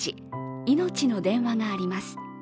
いのちの電話があります。